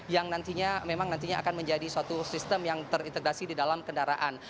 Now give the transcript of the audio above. yang nantinya memang nantinya akan menjadi suatu sistem yang terintegrasi di dalam kendaraan